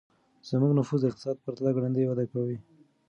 زموږ نفوس د اقتصاد په پرتله ګړندی وده کوي.